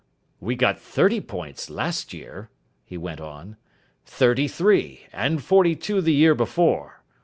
"We got thirty points last year," he went on. "Thirty three, and forty two the year before.